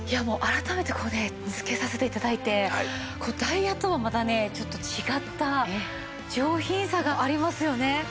もう改めてこうね着けさせて頂いてこうダイヤとはまたねちょっと違った上品さがありますよね。